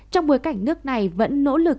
trong bối cảnh nước này vẫn nỗ lực